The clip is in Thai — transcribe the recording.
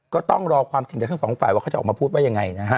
ก็ต้องรอความจริงจากทั้งสองฝ่ายว่าเขาจะออกมาพูดว่ายังไงนะฮะ